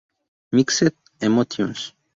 Mixed Emotions.